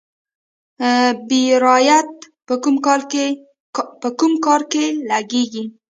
بیرایت په کوم کار کې لګیږي؟